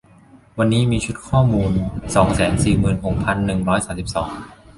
วันนี้มีชุดข้อมูล สองแสนสี่หมื่นหกพันหนึ่งร้อยสามสิบสอง